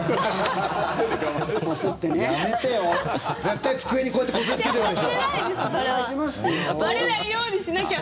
絶対机にこうやってこすりつけてるでしょ？